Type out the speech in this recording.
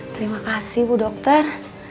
terima kasih bu dokter